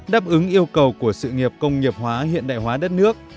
đáp ứng yêu cầu của sự nghiệp công nghiệp hóa hiện đại hóa đất nước